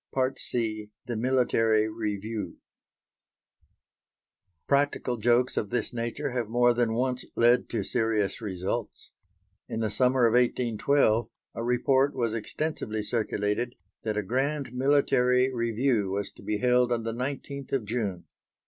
C. THE MILITARY REVIEW Practical jokes of this nature have more than once led to serious results. In the summer of 1812 a report was extensively circulated that a grand military review was to be held on the 19th of June.